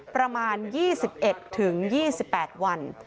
ประมาณ๒๑๒๘วัน